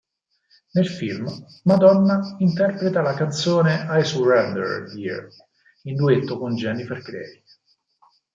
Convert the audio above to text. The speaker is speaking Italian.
Nel film Madonna interpreta la canzone "I surrender, dear" in duetto con Jennifer Grey.